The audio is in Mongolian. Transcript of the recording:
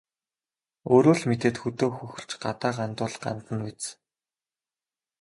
Өөрөө л мэдээд хөдөө хөхөрч, гадаа гандвал гандана л биз.